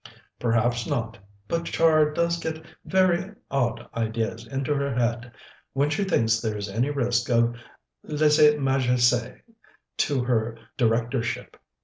"Perhaps not. But Char does get very odd ideas into her head, when she thinks there's any risk of lèse majesté to her Directorship.